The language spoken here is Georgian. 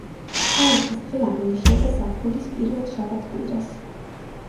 ქალაქის დღე აღინიშნება ზაფხულის პირველ შაბათ-კვირას.